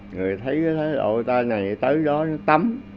người thấy cái đội ta này tới đó nó tắm